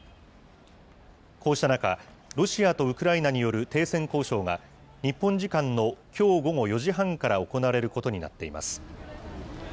こうした中、ロシアとウクライナによる停戦交渉が、日本時間のきょう午後４時半から行われることになっています。